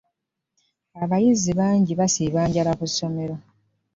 Abayizi bangi basiiba njala ku ssomero.